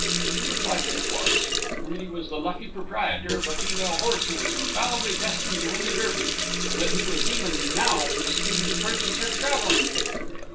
He replied that it was, and that he was the lucky proprietor of a female horse who was infallibly destined to win the Derby, and that he was even now proceeding to purchase her travelling ticket.